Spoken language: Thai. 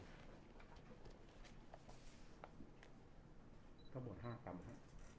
ด้วยภาพและเสียบ